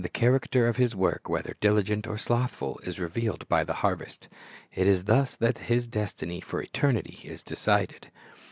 The character of his work, whether diligent or slothful, is revealed by the harvest. It is thus that his destiny for eternity is decided.